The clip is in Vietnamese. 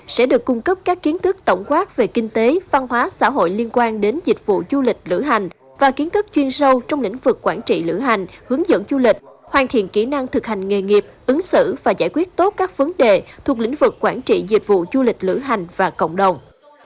sẽ được cung cấp các kiến thức tổng quát về kinh tế văn hóa xã hội liên quan đến dịch vụ du lịch lửa hành và kiến thức chuyên sâu trong lĩnh vực quản trị lửa hành hướng dẫn du lịch hoàn thiện kỹ năng thực hành nghề nghiệp ứng xử và giải quyết tốt các vấn đề thuộc lĩnh vực quản trị dịch vụ du lịch lửa hành và cộng đồng